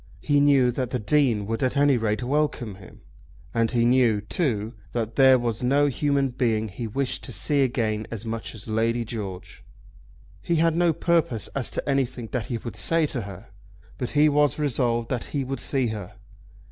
He knew that the Dean would at any rate welcome him. And he knew, too, that there was no human being he wished to see again so much as Lady George. He had no purpose as to anything that he would say to her, but he was resolved that he would see her.